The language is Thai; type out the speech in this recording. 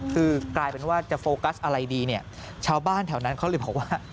คือกลายเป็นว่าจะโฟกัสอะไรดีเนี่ยชาวบ้านแถวนั้นเขาเลยบอกว่า